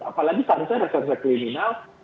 apalagi seharusnya resek kriminal